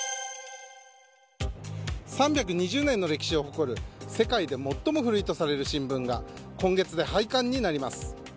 ３２０年の歴史を誇る世界で最も古いとされる新聞が今月で廃刊になります。